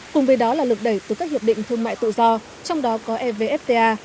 cùng với đó là lực đẩy từ các hiệp định thương mại tự do trong đó có evfta